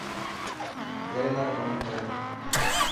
ڪيريلا ڪوني ڪريو.